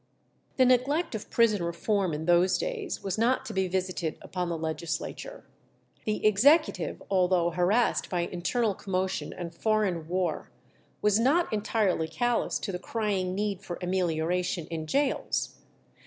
The neglect of prison reform in those days was not to be visited upon the legislature. The executive, although harassed by internal commotion and foreign war, was not entirely callous to the crying need for amelioration in gaols.